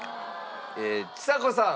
ちさ子さん